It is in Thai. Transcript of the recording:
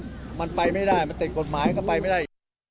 มันไปไม่ได้มันติดกฎหมายก็ไปไม่ได้